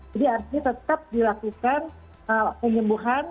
jadi artinya tetap dilakukan penyembuhan